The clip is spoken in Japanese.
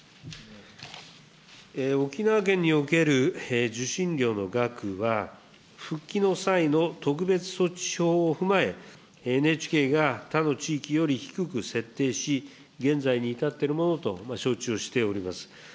沖縄県における受信料の額は、復帰の際の特別措置法を踏まえ、ＮＨＫが他の地域より低く設定し、現在に至ってるものと承知をしております。